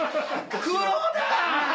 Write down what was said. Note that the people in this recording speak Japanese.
黒田！